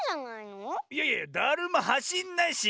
いやいやだるまはしんないし！